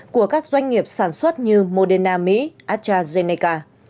của các doanh nghiệp sản xuất như moderna mỹ astrazeneca